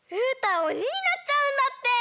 おにになっちゃうんだって！